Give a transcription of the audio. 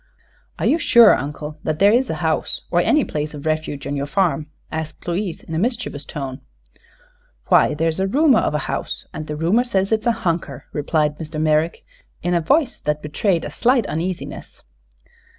"Are you sure, Uncle, that there is a house, or any place of refuge, on your farm?" asked Louise, in a mischievous tone. "Why, there's a rumor of a house, and the rumor says it's a hunker," replied Mr. Merrick, in a voice that betrayed a slight uneasiness.